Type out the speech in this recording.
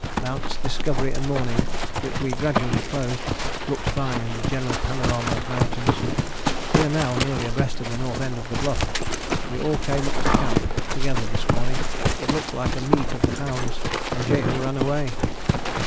Mounts Discovery and Morning, which we gradually closed, looked fine in the general panorama of mountains. We are now nearly abreast the north end of the Bluff. We all came up to camp together this morning: it looked like a meet of the hounds, and Jehu ran away!!!"